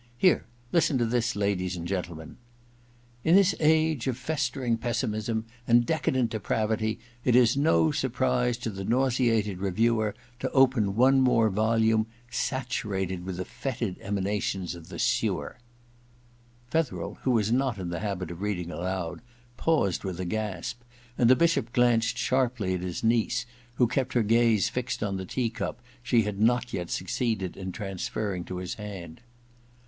Here, listen to this, ladies and gentlemen :In this age of festering pessimism and decadent depravity, it is no surprise to the nauseated reviewer to open one more volume saturated with the fetid emanations of the sewer —»>» Fetherel, who was not in the habit of read ing aloud, paused with a gasp, and the Bishop glanced sharply at his niece, who kept her gaze fixed on the tea cup she had not yet succeeded in transferring to his hand.